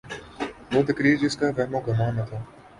وہ تقریر جس کا وہم و گماں نہ تھا۔